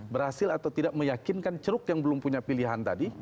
berhasil atau tidak meyakinkan ceruk yang belum punya pilihan tadi